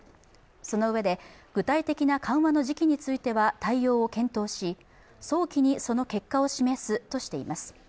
そのうえで具体的な緩和の時期については対応を検討し、早期にその結果を示すとしています。